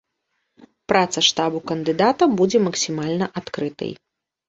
Праца штабу кандыдата будзе максімальна адкрытай.